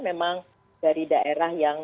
memang dari daerah yang